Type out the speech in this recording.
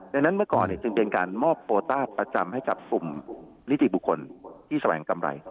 ดังนั้นเมื่อก่อนจึงเป็นการมอบโคต้าประจำให้กับกลุ่มนิติบุคคลที่แสวงกำไร